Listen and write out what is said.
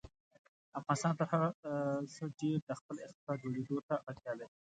افغانستان تر هر څه ډېر د خپل اقتصاد جوړېدو ته اړتیا لري.